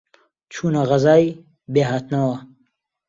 چوونە غەزای بێهاتنەوە،